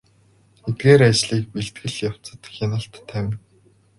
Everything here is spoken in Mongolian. Эдгээр ажлын бэлтгэл явцад хяналт тавина.